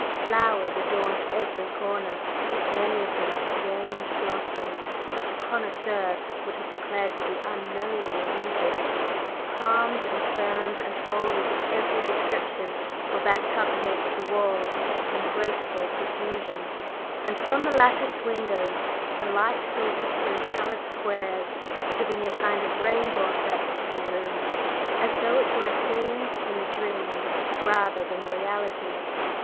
Flowers adorned every corner many of them strange blossoms which a connoisseur would have declared to be unknown in Egypt, palms and ferns and foliage of every description were banked up against the walls in graceful profusion, and from the latticed windows the light filtered through colored squares, giving a kind of rainbow effect to the room, as though it were a scene in a dream rather than a reality.